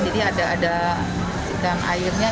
jadi ada ada dan airnya